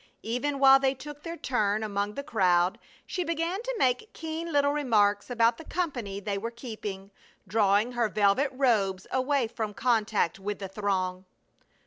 Even while they took their turn among the crowd she began to make keen little remarks about the company they were keeping, drawing her velvet robes away from contact with the throng.